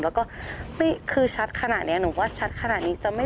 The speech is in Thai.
แล้วก็คือชัดขนาดนี้หนูว่าชัดขนาดนี้จะไม่